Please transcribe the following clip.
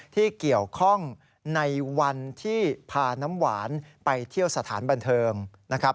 ที่เกี่ยวข้องในวันที่พาน้ำหวานไปเที่ยวสถานบันเทิงนะครับ